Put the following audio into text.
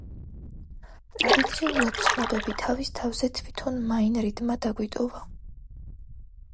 ტრადიციულად, ცნობები თავის თავზე თვითონ მაინ რიდმა დაგვიტოვა.